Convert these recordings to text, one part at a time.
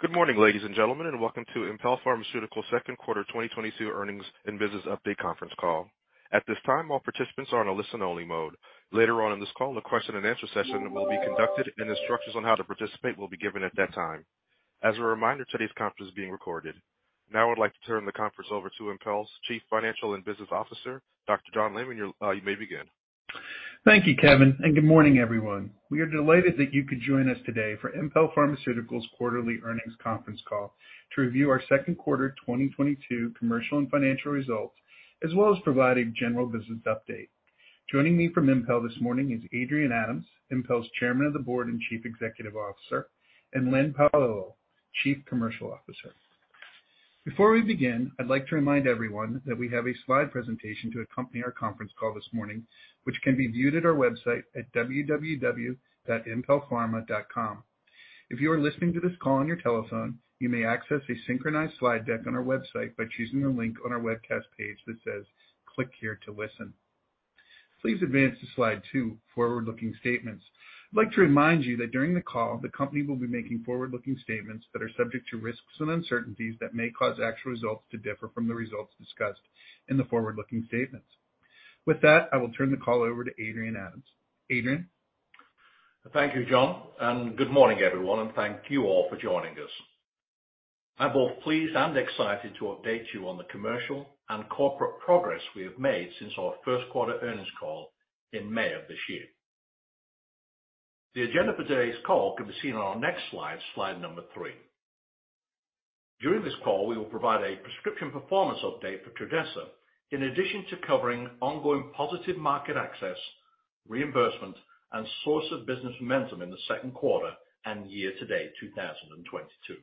Good morning, ladies and gentlemen, and welcome to Impel Pharmaceuticals' second quarter 2022 earnings and business update conference call. At this time, all participants are in a listen-only mode. Later in this call, a question-and-answer session will be conducted, and instructions on how to participate will be given at that time. As a reminder, today's conference is being recorded. Now I would like to turn the conference over to Impel's Chief Financial and Business Officer, Dr. John Leaman. You may begin. Thank you, Kevin, and good morning, everyone. We are delighted that you could join us today for Impel Pharmaceuticals quarterly earnings conference call to review our second quarter 2022 commercial and financial results, as well as provide a general business update. Joining me from Impel this morning is Adrian Adams, Impel's Chairman of the Board and Chief Executive Officer, and Leonard Paolillo, Chief Commercial Officer. Before we begin, I'd like to remind everyone that we have a slide presentation to accompany our conference call this morning, which can be viewed at our website at www.impelpharma.com. If you are listening to this call on your telephone, you may access a synchronized slide deck on our website by choosing the link on our webcast page that says, "Click here to listen." Please advance to slide two, forward-looking statements. I'd like to remind you that during the call, the company will be making forward-looking statements that are subject to risks and uncertainties that may cause actual results to differ from the results discussed in the forward-looking statements. With that, I will turn the call over to Adrian Adams. Adrian? Thank you, John, and good morning, everyone, and thank you all for joining us. I'm both pleased and excited to update you on the commercial and corporate progress we have made since our first quarter earnings call in May of this year. The agenda for today's call can be seen on our next slide number three. During this call, we will provide a prescription performance update for Trudhesa, in addition to covering ongoing positive market access, reimbursement, and source of business momentum in the second quarter and year-to-date 2022.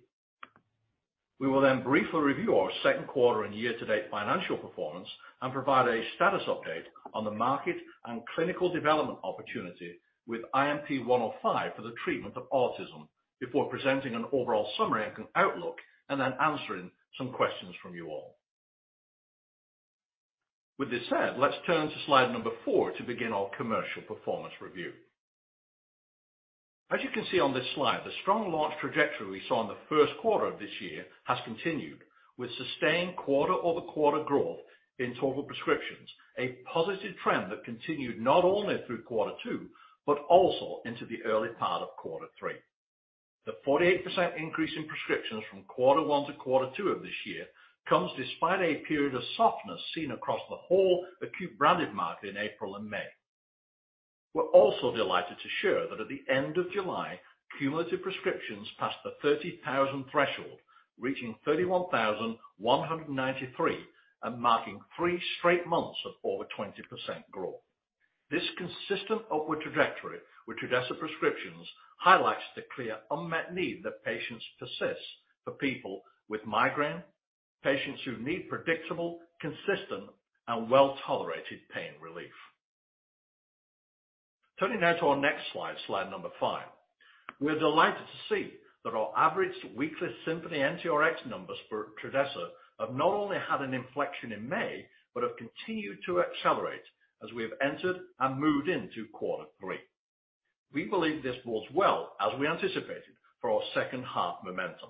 We will then briefly review our second quarter and year-to-date financial performance and provide a status update on the market and clinical development opportunity with INP105 for the treatment of autism before presenting an overall summary and an outlook and then answering some questions from you all. With this said, let's turn to slide number four to begin our commercial performance review. As you can see on this slide, the strong launch trajectory we saw in the first quarter of this year has continued with sustained quarter-over-quarter growth in total prescriptions, a positive trend that continued not only through quarter two, but also into the early part of quarter three. The 48% increase in prescriptions from quarter one to quarter two of this year comes despite a period of softness seen across the whole acute branded market in April and May. We're also delighted to share that at the end of July, cumulative prescriptions passed the 30,000 threshold, reaching 31,193 and marking three straight months of over 20% growth. This consistent upward trajectory with Trudhesa prescriptions highlights the clear unmet need that patients persist for people with migraine, patients who need predictable, consistent, and well-tolerated pain relief. Turning now to our next slide number 5. We're delighted to see that our average weekly Symphony NTRx numbers for Trudhesa have not only had an inflection in May, but have continued to accelerate as we have entered and moved into quarter three. We believe this bodes well as we anticipated for our second half momentum.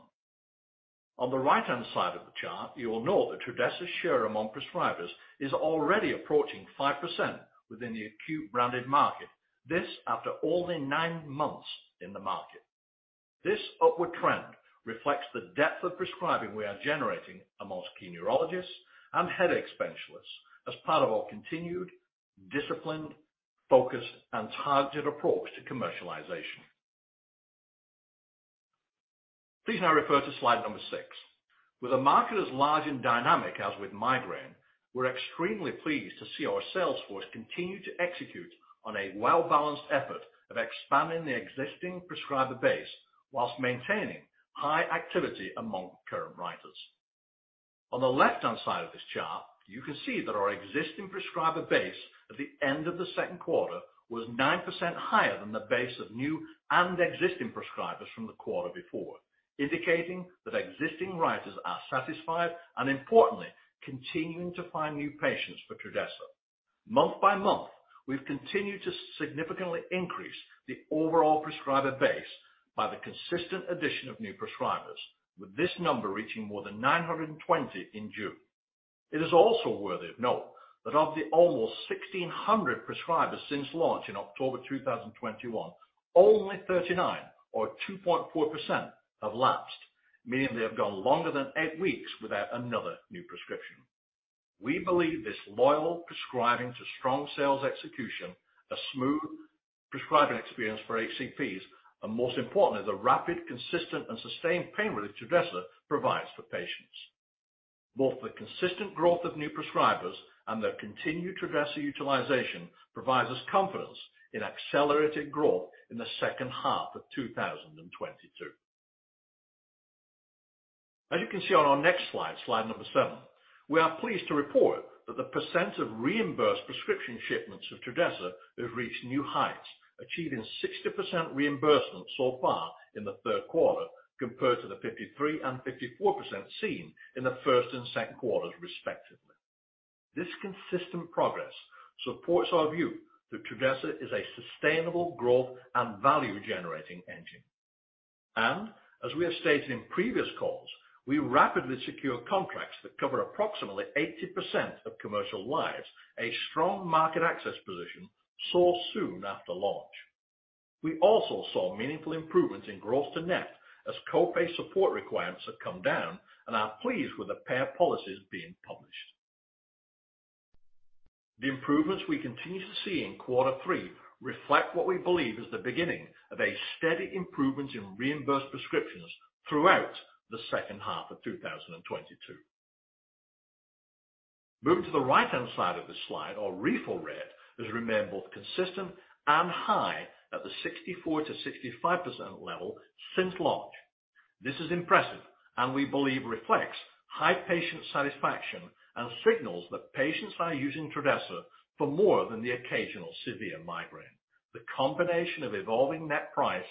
On the right-hand side of the chart, you will note that Trudhesa's share among prescribers is already approaching 5% within the acute branded market. This after only nine months in the market. This upward trend reflects the depth of prescribing we are generating amongst key neurologists and headache specialists as part of our continued disciplined, focused, and targeted approach to commercialization. Please now refer to slide number six. With a market as large and dynamic as with migraine, we're extremely pleased to see our sales force continue to execute on a well-balanced effort of expanding the existing prescriber base while maintaining high activity among current writers. On the left-hand side of this chart, you can see that our existing prescriber base at the end of the second quarter was 9% higher than the base of new and existing prescribers from the quarter before, indicating that existing writers are satisfied and importantly, continuing to find new patients for Trudhesa. Month by month, we've continued to significantly increase the overall prescriber base by the consistent addition of new prescribers. With this number reaching more than 920 in June. It is also worthy of note that of the almost 1,600 prescribers since launch in October 2021, only 39 or 2.4% have lapsed, meaning they have gone longer than eight weeks without another new prescription. We believe this loyal prescribing due to strong sales execution, a smooth prescribing experience for HCPs, and most importantly, the rapid, consistent, and sustained pain relief Trudhesa provides for patients. Both the consistent growth of new prescribers and their continued Trudhesa utilization provides us confidence in accelerated growth in the second half of 2022. As you can see on our next slide number seven, we are pleased to report that the percent of reimbursed prescription shipments of Trudhesa have reached new heights, achieving 60% reimbursement so far in the third quarter compared to the 53% and 54% seen in the first and second quarters, respectively. This consistent progress supports our view that Trudhesa is a sustainable growth and value-generating engine. We have stated in previous calls, we rapidly secure contracts that cover approximately 80% of commercial lives, a strong market access position secured soon after launch. We also saw meaningful improvements in gross to net as co-pay support requirements have come down and are pleased with the payer policies being published. The improvements we continue to see in quarter three reflect what we believe is the beginning of a steady improvement in reimbursed prescriptions throughout the second half of 2022. Moving to the right-hand side of the slide, our refill rate has remained both consistent and high at the 64%-65% level since launch. This is impressive, and we believe reflects high patient satisfaction and signals that patients are using Trudhesa for more than the occasional severe migraine. The combination of evolving net price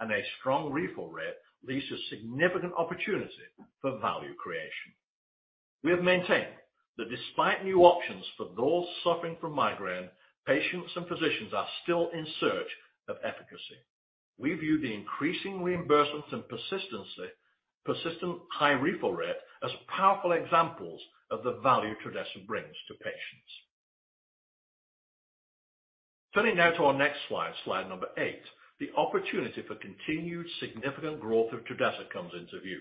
and a strong refill rate leaves a significant opportunity for value creation. We have maintained that despite new options for those suffering from migraine, patients and physicians are still in search of efficacy. We view the increasing reimbursements and persistent high refill rate as powerful examples of the value Trudhesa brings to patients. Turning now to our next slide number eight, the opportunity for continued significant growth of Trudhesa comes into view.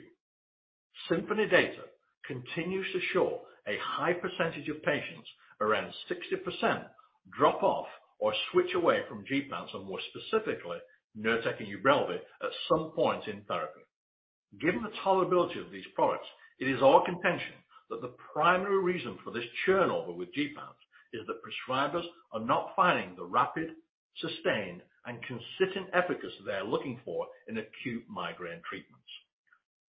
Symphony data continues to show a high percentage of patients, around 60% drop off or switch away from gepants, more specifically, Nurtec and Ubrelvy, at some point in therapy. Given the tolerability of these products, it is our contention that the primary reason for this churn over with gepants is that prescribers are not finding the rapid, sustained, and consistent efficacy they are looking for in acute migraine treatments.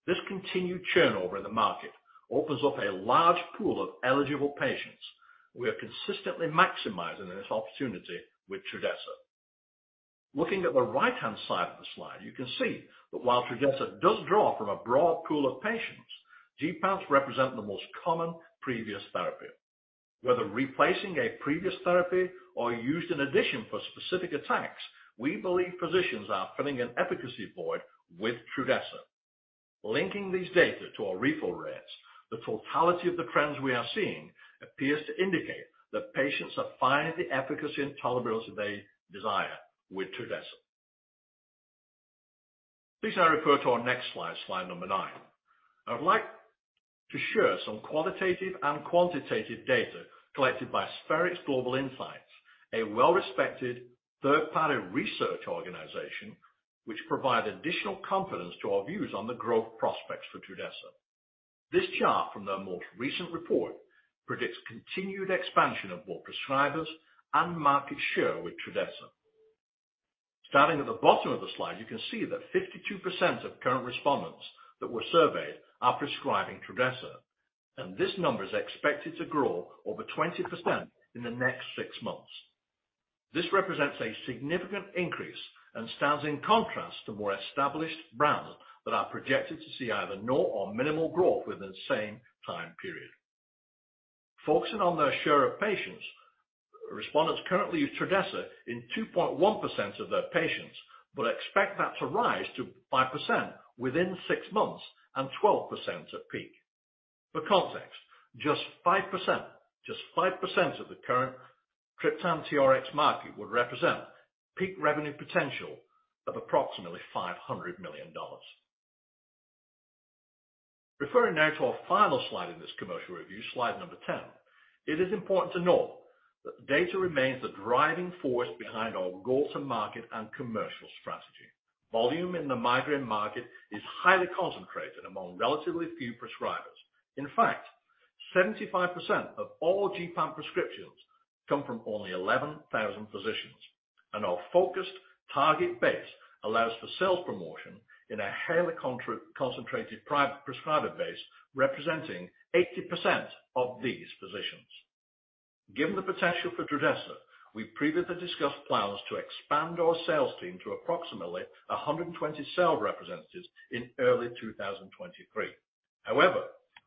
This continued churn over in the market opens up a large pool of eligible patients. We are consistently maximizing this opportunity with Trudhesa. Looking at the right-hand side of the slide, you can see that while Trudhesa does draw from a broad pool of patients, gepants represent the most common previous therapy. Whether replacing a previous therapy or used in addition for specific attacks, we believe physicians are filling an efficacy void with Trudhesa. Linking these data to our refill rates, the totality of the trends we are seeing appears to indicate that patients are finding the efficacy and tolerability they desire with Trudhesa. Please now refer to our next slide nine. I would like to share some qualitative and quantitative data collected by Spherix Global Insights, a well-respected third-party research organization which provide additional confidence to our views on the growth prospects for Trudhesa. This chart from their most recent report predicts continued expansion of both prescribers and market share with Trudhesa. Starting at the bottom of the slide, you can see that 52% of current respondents that were surveyed are prescribing Trudhesa, and this number is expected to grow over 20% in the next six months. This represents a significant increase and stands in contrast to more established brands that are projected to see either no or minimal growth within the same time period. Focusing on their share of patients, respondents currently use Trudhesa in 2.1% of their patients, but expect that to rise to 5% within six months and 12% at peak. For context, just 5%, just 5% of the current triptan TRX market would represent peak revenue potential of approximately $500 million. Referring now to our final slide in this commercial review, slide number 10. It is important to note that data remains the driving force behind our go-to-market and commercial strategy. Volume in the migraine market is highly concentrated among relatively few prescribers. In fact, 75% of all gepant prescriptions come from only 11,000 physicians. Our focused target base allows for sales promotion in a highly concentrated private prescriber base representing 80% of these physicians. Given the potential for Trudhesa, we previously discussed plans to expand our sales team to approximately 120 sales representatives in early 2023. However,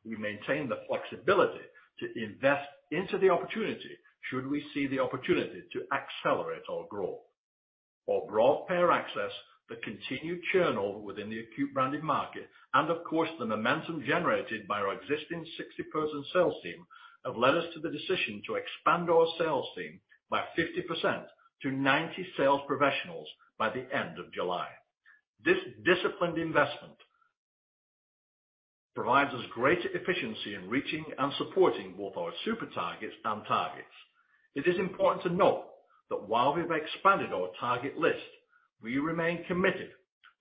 we maintain the flexibility to invest into the opportunity should we see the opportunity to accelerate our growth. For broad payer access, the continued churn within the acute branded market, and of course, the momentum generated by our existing 60-person sales team, have led us to the decision to expand our sales team by 50% to 90 sales professionals by the end of July. This disciplined investment provides us greater efficiency in reaching and supporting both our super targets and targets. It is important to note that while we've expanded our target list, we remain committed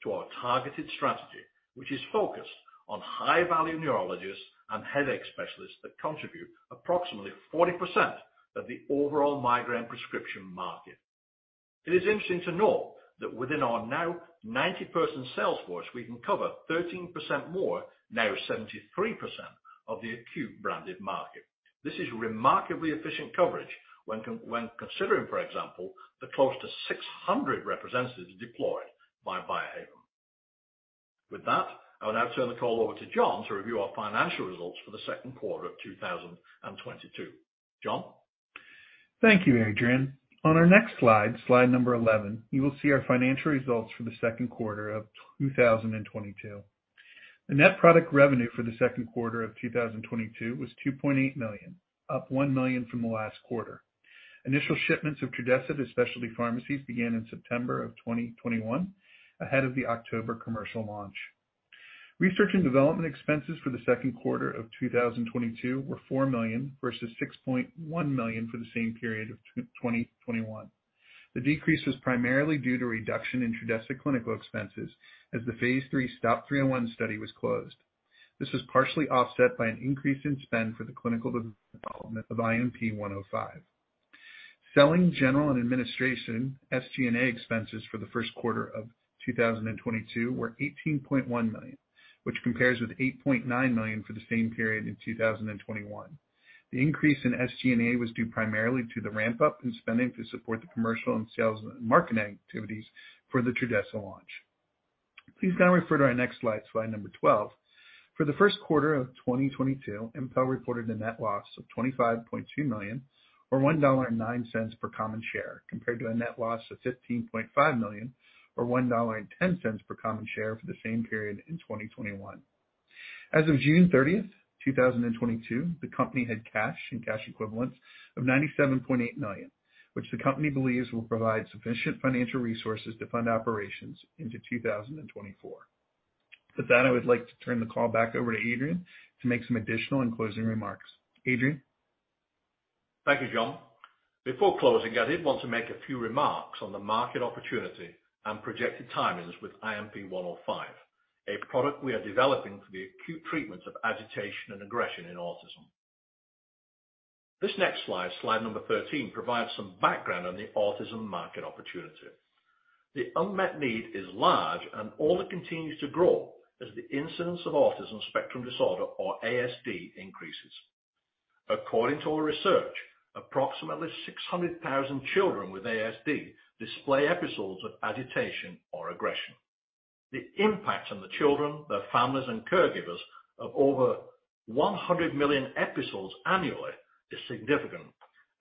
to our targeted strategy, which is focused on high-value neurologists and headache specialists that contribute approximately 40% of the overall migraine prescription market. It is interesting to note that within our now 90-person sales force, we can cover 13% more, now 73% of the acute branded market. This is remarkably efficient coverage when considering, for example, the close to 600 representatives deployed by Biohaven. With that, I will now turn the call over to John to review our financial results for the second quarter of 2022. John. Thank you, Adrian. On our next slide 11, you will see our financial results for the second quarter of 2022. The net product revenue for the second quarter of 2022 was $2.8 million, up $1 million from the last quarter. Initial shipments of Trudhesa to specialty pharmacies began in September 2021, ahead of the October commercial launch. Research and development expenses for the second quarter of 2022 were $4 million versus $6.1 million for the same period of 2021. The decrease was primarily due to reduction in Trudhesa clinical expenses as the phase III STOP 301 study was closed. This was partially offset by an increase in spend for the clinical development of INP105. Selling, general, and administration, SG&A, expenses for the first quarter of 2022 were $18.1 million, which compares with $8.9 million for the same period in 2021. The increase in SG&A was due primarily to the ramp up in spending to support the commercial and sales and marketing activities for the Trudhesa launch. Please now refer to our next slide 12. For the first quarter of 2022, Impel reported a net loss of $25.2 million or $1.09 per common share, compared to a net loss of $15.5 million or $1.10 per common share for the same period in 2021. As of June 30th, 2022, the company had cash and cash equivalents of $97.8 million, which the company believes will provide sufficient financial resources to fund operations into 2024. With that, I would like to turn the call back over to Adrian to make some additional and closing remarks. Adrian? Thank you, John. Before closing, I did want to make a few remarks on the market opportunity and projected timings with INP105, a product we are developing for the acute treatment of agitation and aggression in autism. This next slide number 13, provides some background on the autism market opportunity. The unmet need is large and only continues to grow as the incidence of autism spectrum disorder or ASD increases. According to our research, approximately 600,000 children with ASD display episodes of agitation or aggression. The impact on the children, their families, and caregivers of over 100 million episodes annually is significant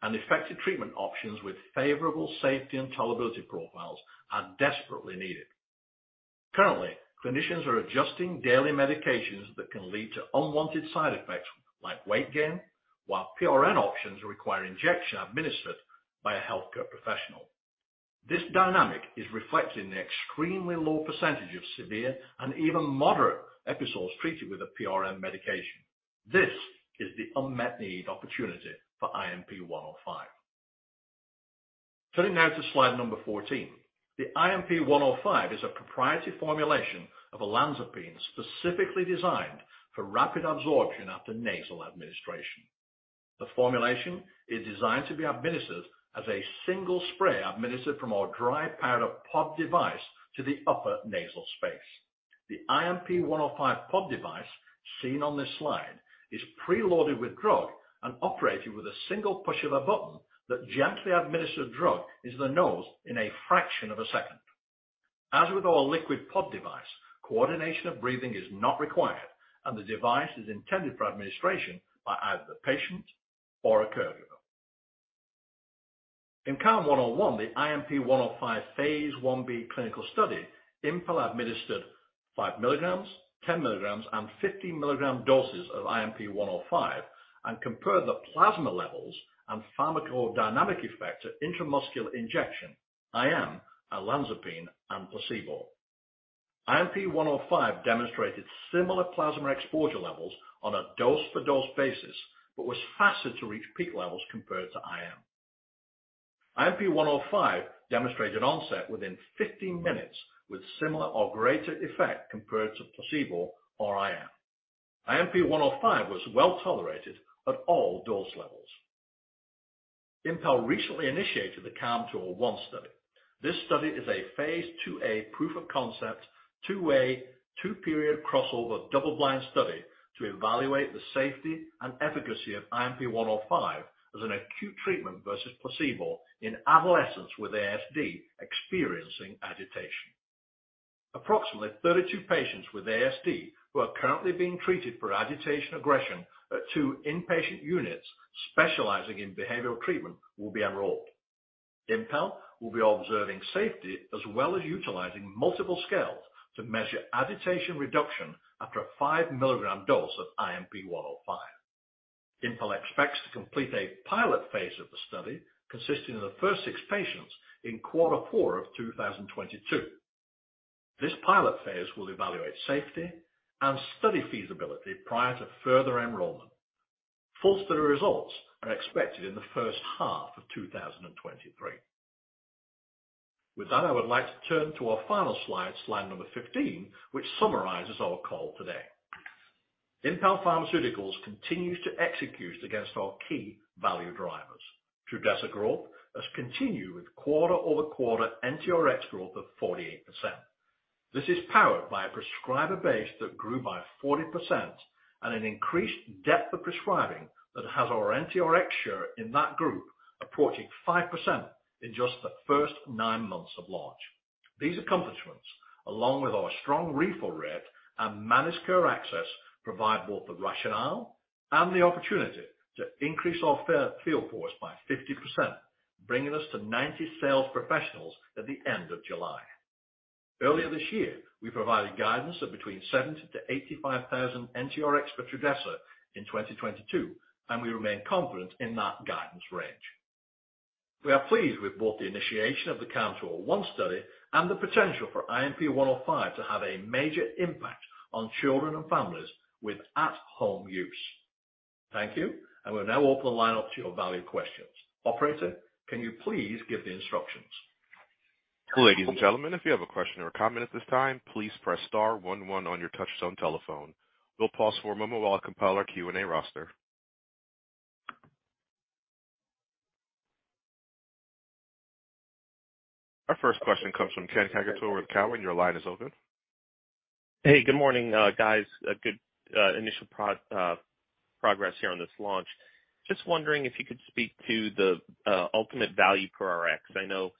and effective treatment options with favorable safety and tolerability profiles are desperately needed. Currently, clinicians are adjusting daily medications that can lead to unwanted side effects like weight gain, while PRN options require injection administered by a healthcare professional. This dynamic is reflected in the extremely low percentage of severe and even moderate episodes treated with a PRN medication. This is the unmet need opportunity for INP105. Turning now to slide number 14. The INP105 is a proprietary formulation of olanzapine specifically designed for rapid absorption after nasal administration. The formulation is designed to be administered as a single spray administered from our dry powder POD device to the upper nasal space. The INP105 POD device seen on this slide is preloaded with drug and operated with a single push of a button that gently administers drug into the nose in a fraction of a second. As with all liquid POD device, coordination of breathing is not required and the device is intended for administration by either the patient or a caregiver. In SNAP 101, the INP105 phase I-B clinical study, Impel administered 5 mg, 10 mg, and 15 mg doses of INP105 and compared the plasma levels and pharmacodynamic effect to intramuscular injection, IM, olanzapine and placebo. INP105 demonstrated similar plasma exposure levels on a dose-for-dose basis, but was faster to reach peak levels compared to IM. INP105 demonstrated onset within 15 minutes with similar or greater effect compared to placebo or IM. INP105 was well-tolerated at all dose levels. Impel recently initiated the CALM 201 study. This study is a phase II-A proof of concept, 2-way, 2-period crossover double-blind study to evaluate the safety and efficacy of INP105 as an acute treatment versus placebo in adolescents with ASD experiencing agitation. Approximately 32 patients with ASD who are currently being treated for agitation aggression at two inpatient units specializing in behavioral treatment will be enrolled. Impel will be observing safety as well as utilizing multiple scales to measure agitation reduction after a 5 mg dose of INP105. Impel expects to complete a pilot phase of the study consisting of the first six patients in quarter four of 2022. This pilot phase will evaluate safety and study feasibility prior to further enrollment. Full study results are expected in the first half of 2023. With that, I would like to turn to our final slide number 15, which summarizes our call today. Impel Pharmaceuticals continues to execute against our key value drivers. Trudhesa growth has continued with quarter-over-quarter NTRx growth of 48%. This is powered by a prescriber base that grew by 40% and an increased depth of prescribing that has our NTRx share in that group approaching 5% in just the first nine months of launch. These accomplishments, along with our strong refill rate and managed care access, provide both the rationale and the opportunity to increase our field force by 50%, bringing us to 90 sales professionals at the end of July. Earlier this year, we provided guidance of between 70,000-85,000 NTRx for Trudhesa in 2022, and we remain confident in that guidance range. We are pleased with both the initiation of the CALM 201 study and the potential for INP105 to have a major impact on children and families with at-home use. Thank you. We'll now open the line up to your valued questions. Operator, can you please give the instructions? Ladies and gentlemen, if you have a question or comment at this time, please press star one one on your touchtone telephone. We'll pause for a moment while I compile our Q&A roster. Our first question comes from Ken Cacciatore with Cowen. Your line is open. Hey, good morning, guys. A good initial progress here on this launch. Just wondering if you could speak to the ultimate value per Rx. I know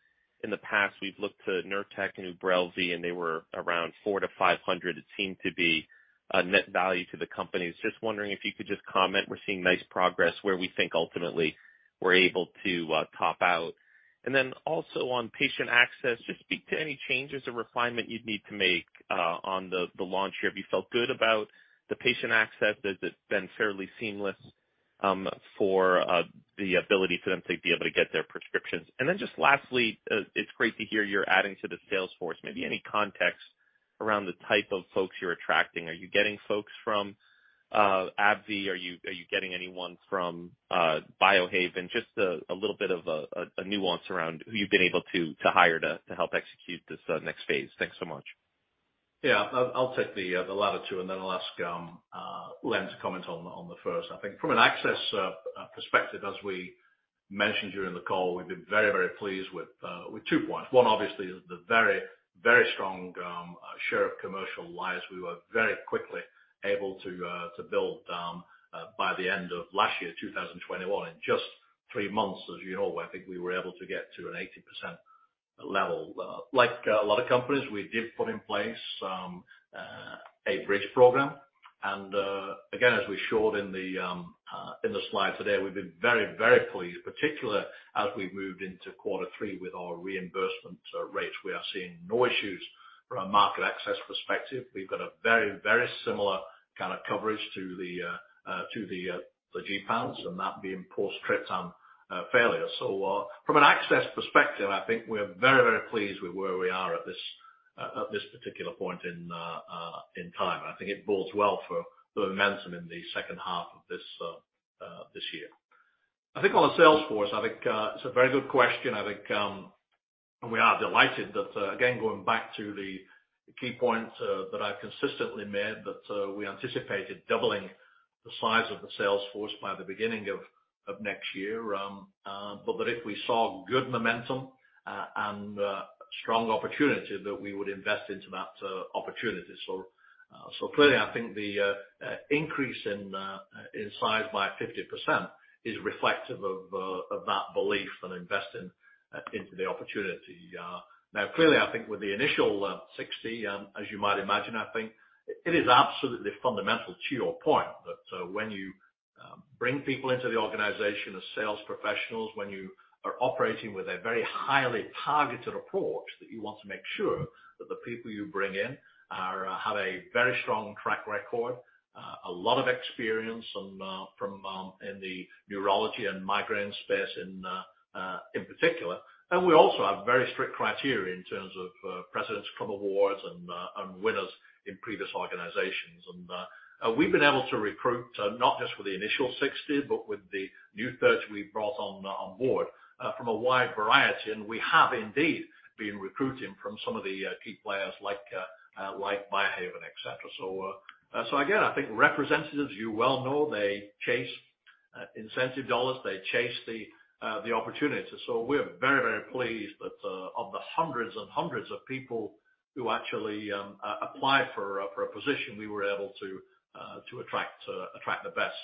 in the past, we've looked to Nurtec and Ubrelvy, and they were around $400-$500. It seemed to be a net value to the company. Just wondering if you could just comment. We're seeing nice progress where we think ultimately we're able to top out. Then also on patient access, just speak to any changes or refinement you'd need to make on the launch here. Have you felt good about the patient access? Has it been fairly seamless for the ability for them to be able to get their prescriptions? Just lastly, it's great to hear you're adding to the sales force. Maybe any context around the type of folks you're attracting. Are you getting folks from AbbVie? Are you getting anyone from Biohaven? Just a little bit of a nuance around who you've been able to hire to help execute this next phase. Thanks so much. Yeah. I'll take the latter two, and then I'll ask Len to comment on the first. I think from an access perspective, as we mentioned during the call, we've been very, very pleased with two points. One, obviously, is the very, very strong share of commercial lives we were very quickly able to build by the end of last year, 2021. In just three months, as you know, I think we were able to get to an 80% level. Like a lot of companies, we did put in place a bridge program. Again, as we showed in the slide today, we've been very, very pleased, particularly as we moved into quarter three with our reimbursement rates. We are seeing no issues from a market access perspective. We've got a very, very similar kind of coverage to the gepants, and that being post triptan failure. From an access perspective, I think we're very, very pleased with where we are at this particular point in time. I think it bodes well for momentum in the second half of this year. I think on the sales force, it's a very good question. I think we are delighted that again, going back to the key points that I've consistently made, that we anticipated doubling the size of the sales force by the beginning of next year. That if we saw good momentum and strong opportunity that we would invest into that opportunity. Clearly, I think the increase in size by 50% is reflective of that belief and investing into the opportunity. Now, clearly, I think with the initial 60, as you might imagine, I think it is absolutely fundamental to your point that when you bring people into the organization as sales professionals, when you are operating with a very highly targeted approach, that you want to make sure that the people you bring in have a very strong track record, a lot of experience and from in the neurology and migraine space in particular. We also have very strict criteria in terms of precedence from awards and winners in previous organizations. We've been able to recruit not just for the initial 60, but with the new 30 we brought on board from a wide variety. We have indeed been recruiting from some of the key players like Biohaven, etc. Again, I think representatives, you well know, they chase incentive dollars. They chase the opportunities. We're very, very pleased that of the hundreds and hundreds of people who actually apply for a position, we were able to attract the best.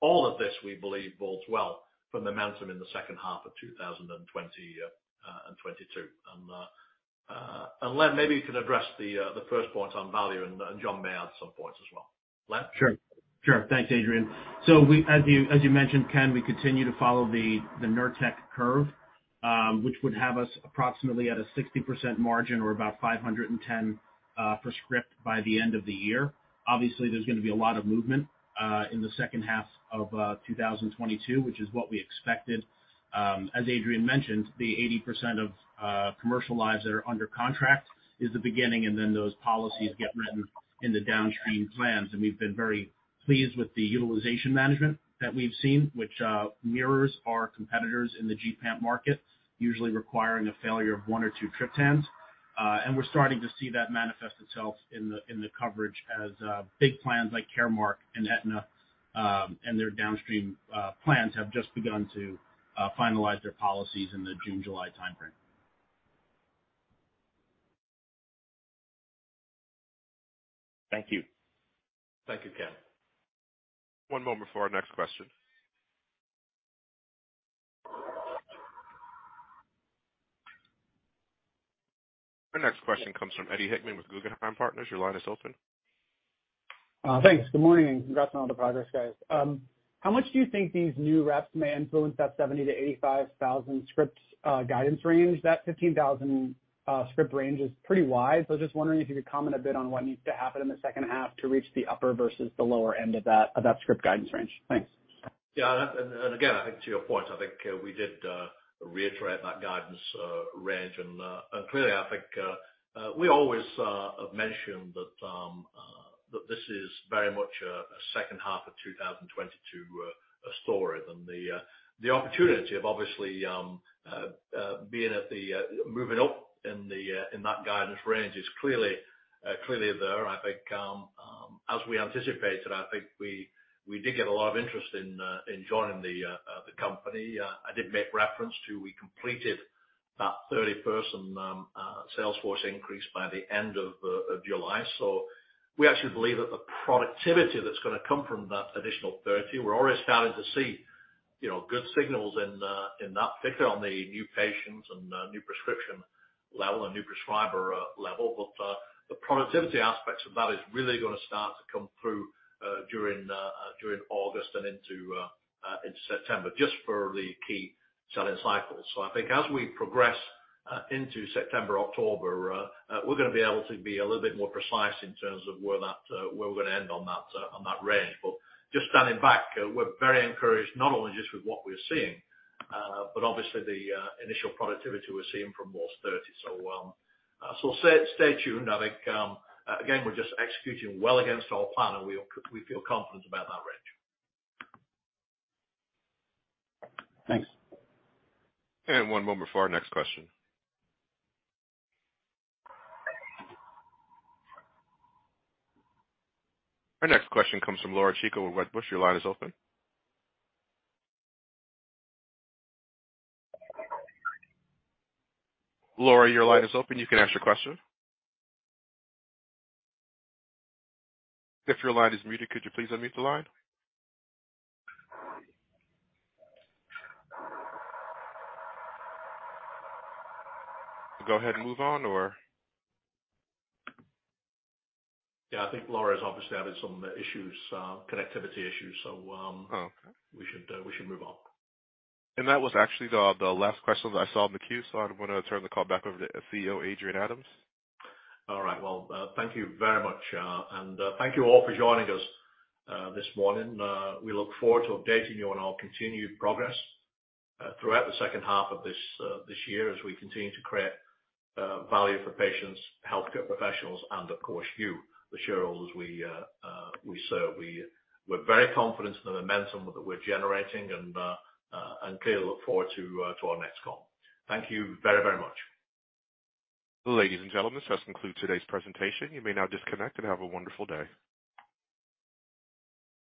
All of this, we believe bodes well for momentum in the second half of 2020 and 2022. Len, maybe you can address the first point on value, and John may add some points as well. Len? Sure. Thanks, Adrian. As you mentioned, Ken, we continue to follow the Nurtec curve, which would have us approximately at a 60% margin or about $510 per script by the end of the year. Obviously, there's gonna be a lot of movement in the second half of 2022, which is what we expected. As Adrian mentioned, the 80% of commercial lives that are under contract is the beginning, and then those policies get written in the downstream plans. We've been very pleased with the utilization management that we've seen, which mirrors our competitors in the gepant market, usually requiring a failure of one or two triptans. We're starting to see that manifest itself in the coverage as big plans like CVS Caremark and Aetna and their downstream plans have just begun to finalize their policies in the June-July timeframe. Thank you. Thank you, Ken. One moment for our next question. Our next question comes from Eddie Hickman with Guggenheim Partners. Your line is open. Thanks. Good morning, and congrats on all the progress, guys. How much do you think these new reps may influence that 70-85,000 scripts guidance range? That 15,000-script range is pretty wide, so just wondering if you could comment a bit on what needs to happen in the second half to reach the upper versus the lower end of that script guidance range. Thanks. Again, I think to your point, I think we did reiterate that guidance range. Clearly I think we always have mentioned that this is very much a second half of 2022 story. The opportunity of obviously moving up in that guidance range is clearly there. I think as we anticipated, I think we did get a lot of interest in joining the company. I did make reference to we completed that 30-person sales force increase by the end of July. We actually believe that the productivity that's gonna come from that additional 30, we're already starting to see, you know, good signals in that picture on the new patients and new prescription level and new prescriber level. The productivity aspects of that is really gonna start to come through during August and into September. Just for the key selling cycles. I think as we progress into September, October, we're gonna be able to be a little bit more precise in terms of where we're gonna end on that range. Just standing back, we're very encouraged, not only just with what we're seeing, but obviously the initial productivity we're seeing from those 30. Stay tuned. I think, again, we're just executing well against our plan, and we feel confident about that range. Thanks. One moment for our next question. Our next question comes from Laura Chico with Wedbush. Your line is open. Laura, your line is open, you can ask your question. If your line is muted, could you please unmute the line? Go ahead and move on or. Yeah, I think Laura's obviously having some issues, connectivity issues, so. Oh, okay. We should move on. That was actually the last question that I saw in the queue, so I'm gonna turn the call back over to CEO Adrian Adams. All right. Well, thank you very much. Thank you all for joining us this morning. We look forward to updating you on our continued progress throughout the second half of this year as we continue to create value for patients, healthcare professionals and of course, you, the shareholders we serve. We're very confident in the momentum that we're generating and clearly look forward to our next call. Thank you very much. Ladies and gentlemen, this concludes today's presentation. You may now disconnect and have a wonderful day.